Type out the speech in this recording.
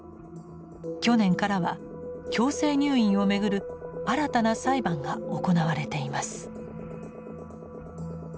去年からは強制入院をめぐる新たな裁判が行われています。